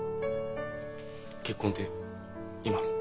結婚って今の？